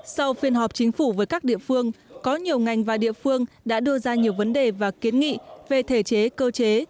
sau phiên họp chính phủ với các địa phương có nhiều ngành và địa phương đã đưa ra nhiều vấn đề và kiến nghị về thể chế cơ chế